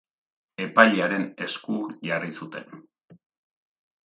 Epailearen esku jarri zuten.